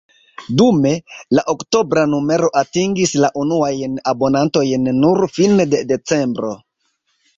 Dume, la oktobra numero atingis la unuajn abonantojn nur fine de decembro.